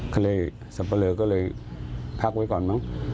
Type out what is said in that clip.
ก็เลยสับปะเลอก็เลยพักไว้ก่อนมั้ง